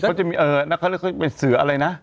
เขาจะมีเออเป็นเสืออะไรนะ